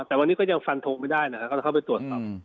แต่วันนี้ก็ยังฟันทงไม่ได้นะครับก็จะเข้าไปตรวจสอบ